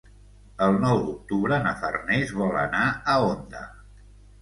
El nou d'octubre na Farners vol anar a Onda.